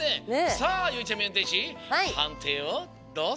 さあゆうちゃみうんてんしはんていをどうぞ。